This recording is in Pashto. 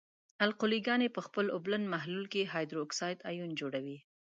القلې ګاني په خپل اوبلن محلول کې هایدروکساید آیون جوړوي.